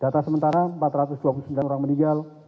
data sementara empat ratus dua puluh sembilan orang meninggal